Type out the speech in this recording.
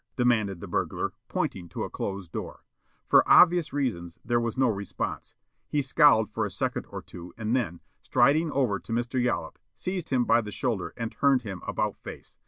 demanded the burglar, pointing to a closed door. For obvious reasons there was no response. He scowled for a second or two and then, striding over to Mr. Yollop, seized him by the shoulder and turned him about face.